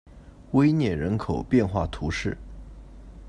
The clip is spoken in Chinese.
威涅人口变化图示